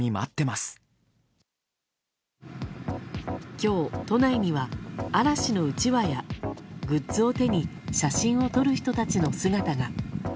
今日、都内には嵐のうちわや、グッズを手に写真を撮る人たちの姿が。